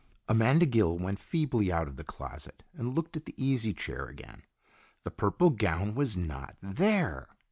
Amanda Gill went feebly out of the closet and looked at the easy chair again. The purple gown was not there!